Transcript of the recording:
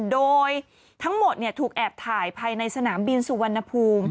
โดยทั้งหมดถูกแอบถ่ายภายในสนามบินสุวรรณภูมิ